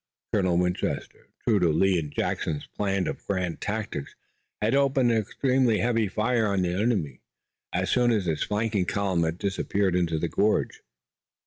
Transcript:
Colonel Winchester, true to Lee and Jackson's plan of grand tactics, had opened an extremely heavy fire on the enemy, as soon as his flanking column had disappeared in the gorge.